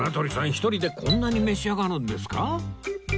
一人でこんなに召し上がるんですか？